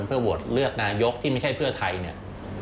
เพื่อโหวตเลือกนายกที่ไม่ใช่เพื่อไทยเนี่ย